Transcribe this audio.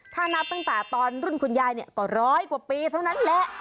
ถ้านับตั้งแต่ตอนรุ่นคุณยายเนี่ยก็ร้อยกว่าปีเท่านั้นแหละ